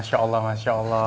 masya allah masya allah